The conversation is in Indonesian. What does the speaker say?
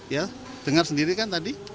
ya dengar sendiri kan tadi